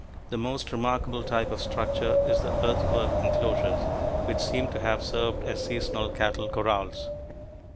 The most remarkable type of structure is the earthwork enclosures which seem to have served as seasonal cattle corrals.